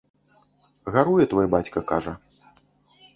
Гаруе твой бацька, кажа.